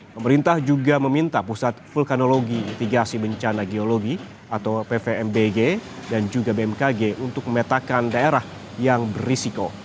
pemerintah juga meminta pusat vulkanologi mitigasi bencana geologi atau pvmbg dan juga bmkg untuk memetakan daerah yang berisiko